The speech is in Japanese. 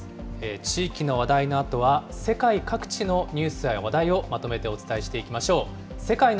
地域の話題のあとは、世界各地のニュースや話題をまとめてお伝えしていきましょう。